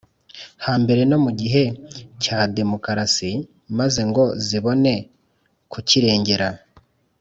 hambere no mu gihe cya demokarasi, maze ngo zibone kukirengera